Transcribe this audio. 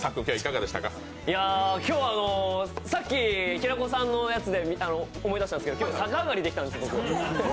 今日はさっき平子さんのやつで思い出したんですけど、今日、逆上がりできたんです、僕。